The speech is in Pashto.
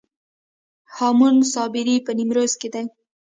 هامون صابري په نیمروز کې دی